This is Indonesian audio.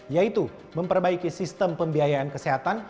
yaitu memperbaiki sistem pembiayaan kesehatan